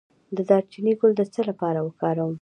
د دارچینی ګل د څه لپاره وکاروم؟